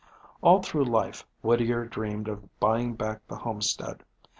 All through life Whittier dreamed of buying back the homestead.